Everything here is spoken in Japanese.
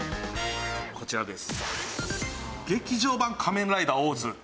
こちらです。